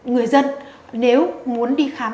người dân nếu muốn đi khám